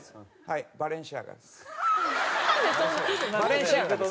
バレンシアガです。